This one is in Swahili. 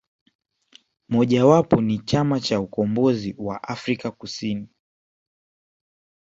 Moja wapo ni Chama cha ukombozi wa afrika Kusini